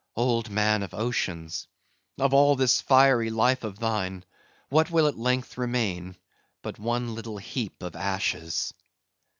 Old man of oceans! of all this fiery life of thine, what will at length remain but one little heap of ashes!"